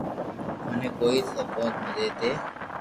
منو ڪوئي سبوت تو دي